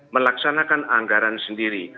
melaksanakan anggaran sendiri